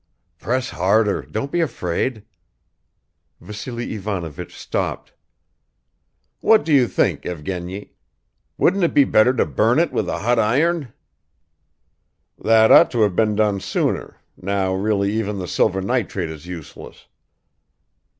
"Press harder; don't be afraid." Vassily Ivanovich stopped. "What do you think, Evgeny; wouldn't it be better to burn it with a hot iron?" "That ought to have been done sooner, now really even the silver nitrate is useless.